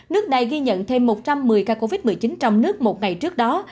nước này ghi nhận thêm một trăm một mươi ca covid một mươi chín trong nước một ngày trước đó